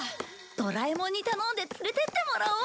ドラえもんに頼んで連れてってもらおう。